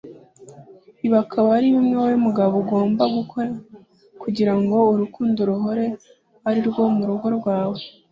Ibi akaba ari bimwe wowe mugabo ugomba gukora kugirango urukundo ruhore ari rwose murugo rwawe